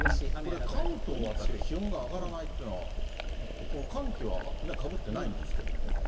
これ、関東辺りは気温が上がらないというのは、この寒気はかぶってないんですけど。